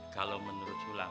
kalau menurut tulama